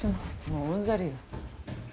もううんざりよ。